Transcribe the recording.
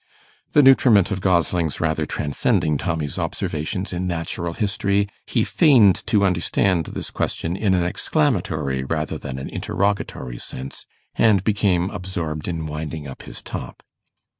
The nutriment of goslings rather transcending Tommy's observations in natural history, he feigned to understand this question in an exclamatory rather than an interrogatory sense, and became absorbed in winding up his top.